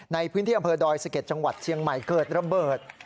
ในพื้นที่อำเภอดอยสะเก็ดจังหวัดเชียงใหม่เกิดระเบิด